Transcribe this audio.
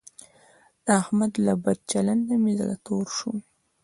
د احمد له بد چلنده مې زړه تور شو.